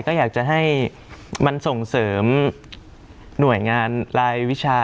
ก็อยากจะให้มันส่งเสริมหน่วยงานรายวิชา